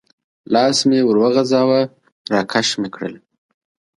لاس مې ور وغځاوه، را کش مې کړل.